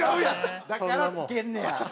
だからつけんねや。